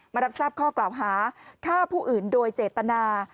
รับทราบข้อกล่าวหาฆ่าผู้อื่นโดยเจตนา